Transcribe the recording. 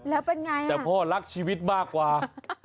แล้วเป็นไงแต่พ่อรักชีวิตมากกว่า